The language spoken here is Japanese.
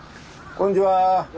・こんにちは。